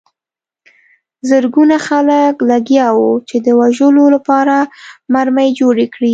زرګونه خلک لګیا وو چې د وژلو لپاره مرمۍ جوړې کړي